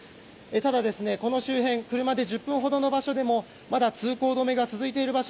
ただ、この周辺車で１０分ほどの場所でもまだ通行止めが続いている場所